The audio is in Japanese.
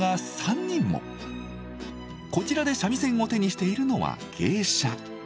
こちらで三味線を手にしているのは芸者。